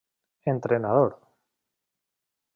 Entrenador: